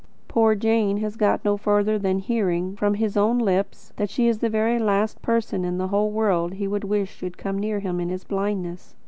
Poor Jane has got no further than hearing, from his own lips, that she is the very last person in the whole world he would wish should come near him in his blindness.